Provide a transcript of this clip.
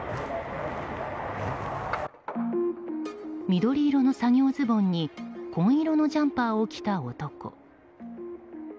緑色の作業ズボンに紺色のジャンパーを着た男。